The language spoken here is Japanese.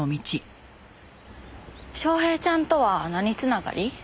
昌平ちゃんとは何繋がり？